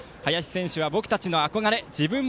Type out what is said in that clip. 林選手は僕たちの憧れ。